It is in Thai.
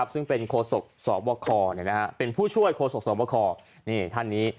ซึ่งเป็นโครสกสอบคอเป็นผู้ช่วยโครสกสอบคอทันนี้